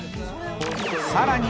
［さらに］